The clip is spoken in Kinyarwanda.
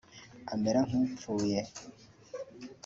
amera nk’upfuye